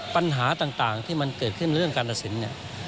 ปัญหาต่างที่มันเกิดขึ้นเรื่องกาลสินเนี่ย